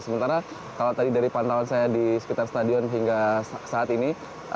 sementara kalau tadi dari pantauan saya di sekitar stadion hingga saat ini